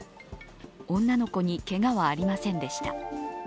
女の子にけがはありませんでした。